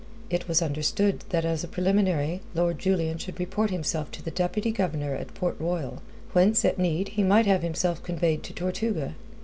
It was understood that as a preliminary Lord Julian should report himself to the Deputy Governor at Port Royal, whence at need he might have himself conveyed to Tortuga.